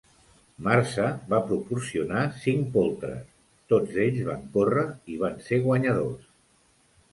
Marsa va proporcionar cinc poltres; tots ells van córrer i van ser guanyadors.